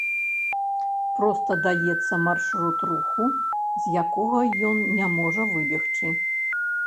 Проста даецца маршрут руху, з якога ён не можа выбегчы.